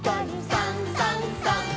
「さんさんさん」